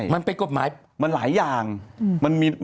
ไม่ใช่